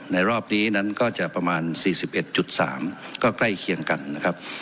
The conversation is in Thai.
ในรอบนี้นั้นก็จะประมาณสี่สิบเอ็ดจุดสามก็ใกล้เคียงกันนะครับ